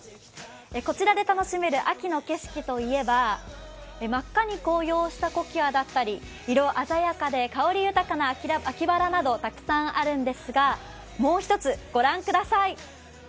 こちらで楽しめる秋の景色といえば、真っ赤に紅葉したコキアだったり、色鮮やかで香り豊かな秋バラなどたくさんあるんですが、もう一つ御覧ください。